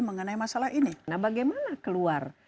mengenai masalah ini nah bagaimana keluar